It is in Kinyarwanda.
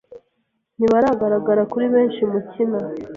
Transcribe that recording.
Ntibagaragara kuri benshi mukina